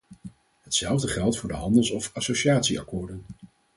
Hetzelfde geldt voor de handels- of associatieakkoorden.